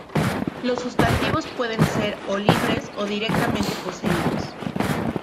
Los sustantivos pueden ser o libres o directamente poseídos.